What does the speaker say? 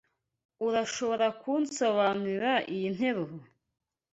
Urashobora kunsobanurira iyi nteruro?